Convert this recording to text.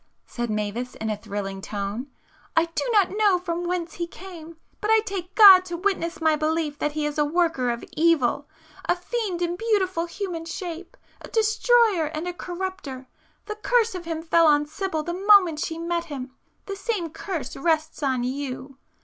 said Mavis in a thrilling tone—"I do not know from whence he came,—but I take God to witness my belief that he is a worker of evil,—a fiend in beautiful human shape,—a destroyer and a corrupter! The curse of him fell on Sibyl the moment she met him,—the same curse rests on you!